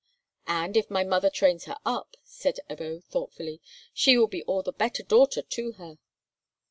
"And, if my mother trains her up," said Ebbo, thoughtfully, "she will be all the better daughter to her.